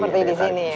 seperti di sini ya